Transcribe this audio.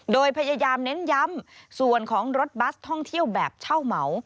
โดยพยายามเน้นย้ำส่วนของรถบัสท่องเที่ยวแบบเช่าเหมา